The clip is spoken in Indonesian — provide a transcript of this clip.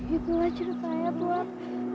itulah cerita saya tuhan